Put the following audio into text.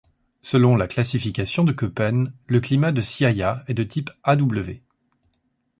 Selon la classification de Köppen, le climat de Siaya est de type Aw.